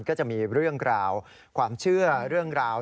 ก็จะมีเรื่องราวความเชื่อเรื่องราว